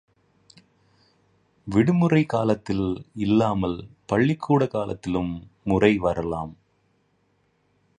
விடுமுறைக் காலத்தில் இல்லாமல் பள்ளிக்கூட காலத்திலும் முறை வரலாம்.